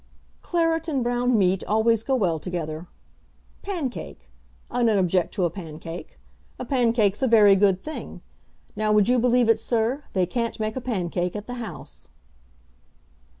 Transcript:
"Claret and brown meat always go well together. Pancake! I don't object to a pancake. A pancake's a very good thing. Now would you believe it, sir; they can't make a pancake at the House."